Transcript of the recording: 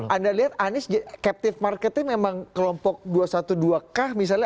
anda lihat anies captive market nya memang kelompok dua ratus dua belas k misalnya